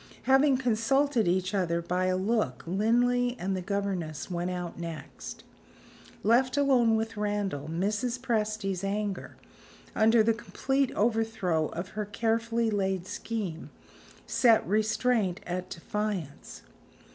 Having consulted each other by a look, Linley and the governess went out next. Left alone with Randal, Mrs. Presty's anger, under the complete overthrow of her carefully laid scheme, set restraint at defiance.